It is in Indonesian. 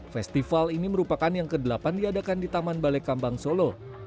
festival ini merupakan yang ke delapan diadakan di taman balai kambang solo